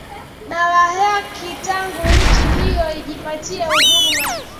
na wa haki tangu nchi hiyo ijipatie uhuru wake